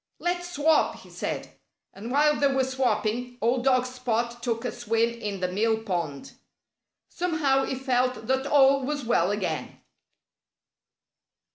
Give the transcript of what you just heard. "Let's swap!" he said. And while they were swapping, old dog Spot took a swim in the mill pond. Somehow he felt that all was well again.